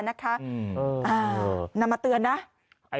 นำมาเตือนนะ